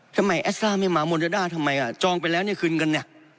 ทำไมไม่มามนดาทำไมอ่ะจองไปแล้วเนี่ยคืนกันเนี่ย